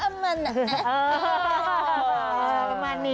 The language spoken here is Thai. ประมาณนี้